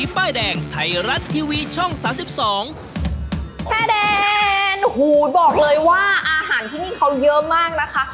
ใบแดงไทยรัชทีวีช่องสา๑๒แฮแดนหูบอกเลยว่าอาหารที่นี่เขาเยอะมากนะคะ